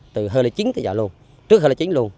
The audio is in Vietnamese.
từ hơi là chín tới giờ luôn trước hơi là chín luôn